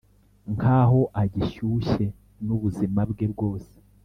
nkaho agishyushye nubuzima bwe bwose.